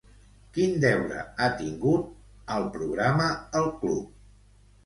Quin deure ha tingut al programa El club?